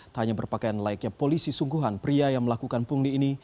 tak hanya berpakaian layaknya polisi sungguhan pria yang melakukan pungli ini